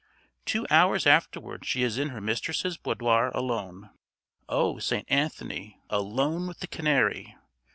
Two hours afterward she is in her mistress's boudoir alone. Oh! St. Anthony! _Alone with the canary!